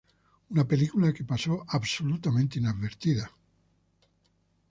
Una película que pasó absolutamente inadvertida.